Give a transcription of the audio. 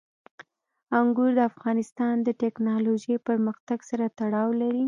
انګور د افغانستان د تکنالوژۍ پرمختګ سره تړاو لري.